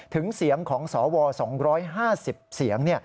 เสียงของสว๒๕๐เสียง